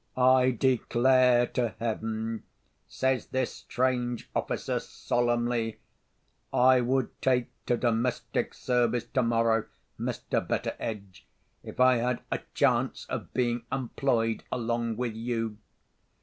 "I declare to heaven," says this strange officer solemnly, "I would take to domestic service tomorrow, Mr. Betteredge, if I had a chance of being employed along with You!